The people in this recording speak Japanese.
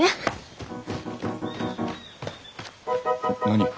何？